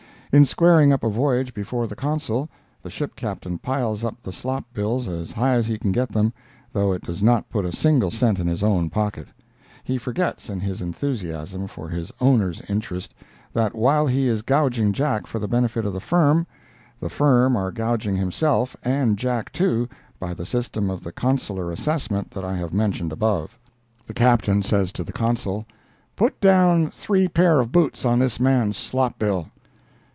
In squaring up a voyage before the Consul, the ship Captain piles up the slop bills as high as he can get them, though it does not put a single cent in his own pocket; he forgets, in his enthusiasm for his owner's interest, that while he is gouging Jack for the benefit of "the firm," the firm are gouging himself, and Jack too, by the system of Consular assessment I have mentioned above. The Captain says to the Consul: "Put down three pair of boots on this man's slop bill."